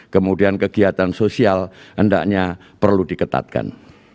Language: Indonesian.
kemudian kegiatan sosial hendaknya perlu diketatkan